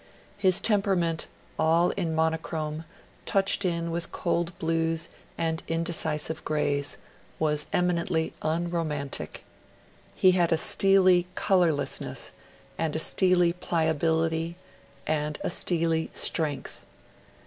His temperament, all in monochrome, touched in with cold blues and indecisive greys, was eminently unromantic. He had a steely colourlessness, and a steely pliability, and a steely strength.